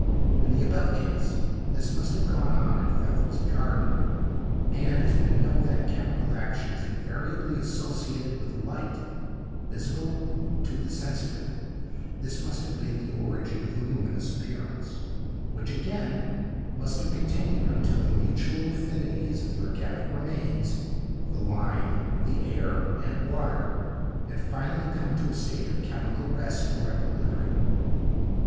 In the above case, this must have gone on in Pfeffel's garden, and, as we know that chemical action is invariably associated with light, visible to the sensitive, this must have been the origin of the luminous appearance, which again must have continued until the mutual affinities of the organic remains, the lime, the air, and water, had finally come to a state of chemical rest or equilibrium.